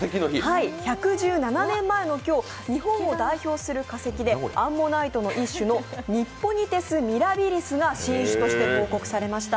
１１７年前の今日、日本を代表する化石でアンモナイトの一種のニッポニテス・ミラビリスが新種として報告されました。